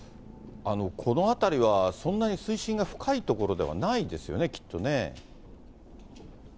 この辺りは、そんなに水深が深い所ではないですよね、きっとね。